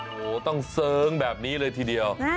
โอ้โหต้องเสิร์งแบบนี้เลยทีเดียว